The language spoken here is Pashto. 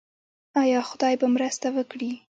آیا خدای به مرسته وکړي؟